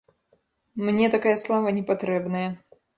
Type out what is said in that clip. Мне такая слава не патрэбная.